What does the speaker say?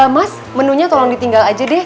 mas menunya tolong ditinggal aja deh